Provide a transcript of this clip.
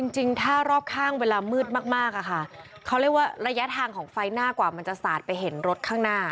จริงถ้ารอบข้างเวลามืดมากอะค่ะเขาเรียกว่าระยะทางของไฟหน้ากว่ามันจะสาดไปเห็นรถข้างหน้า